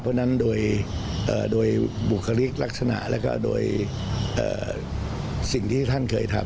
เพราะฉะนั้นโดยบุคลิกลักษณะแล้วก็โดยสิ่งที่ท่านเคยทำ